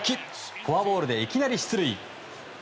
フォアボールでいきなり出塁。